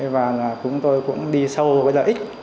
và chúng tôi cũng đi sâu với lợi ích